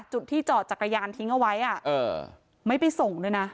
จุดที่จอดจักรยานทิ้งเอาไว้ไม่ไปส่งด้วยนะ